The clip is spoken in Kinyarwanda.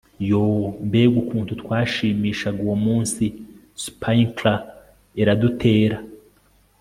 yoo, mbega ukuntu twashimishaga uwo munsi, spinkler iradutera